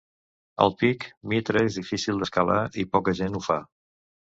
El pic Mitre és difícil d'escalar i poca gent ho fa.